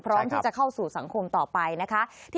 พร้อมที่จะเข้าสู่สังคมต่อไปนะคะ